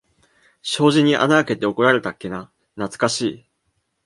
障子に穴あけて怒られたっけな、なつかしい。